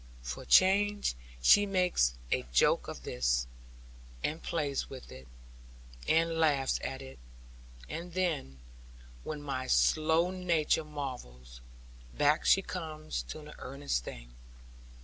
For change, she makes a joke of this, and plays with it, and laughs at it; and then, when my slow nature marvels, back she comes to the earnest thing.